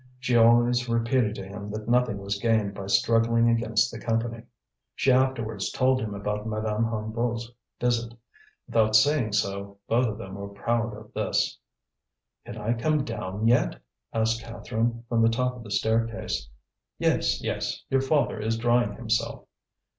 She always repeated to him that nothing was gained by struggling against the Company. She afterwards told him about Madame Hennebeau's visit. Without saying so, both of them were proud of this. "Can I come down yet?" asked Catherine, from the top of the staircase. "Yes, yes; your father is drying himself."